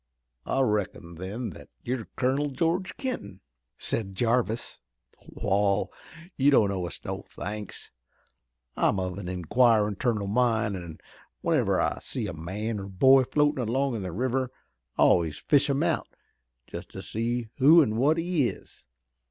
"I reckon, then, that you're Colonel George Kenton," said Jarvis. "Wa'al, you don't owe us no thanks. I'm of an inquirin' turn of mind, an' whenever I see a man or boy floatin' along in the river I always fish him out, just to see who an' what he is.